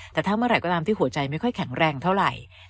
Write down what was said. แต่ถ้าเมื่อไหร่ก็ตามที่หัวใจไม่ค่อยแข็งแรงเท่าไหร่